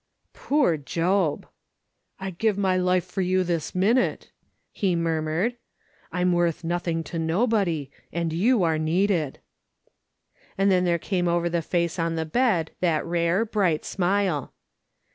Poor Job ! "I'd give my life for you this minute,' he mur mured. "I'm worth nothing to nobody, and you are needed." And then there came over the face on the bed that rare bright smile.